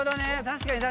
確かに！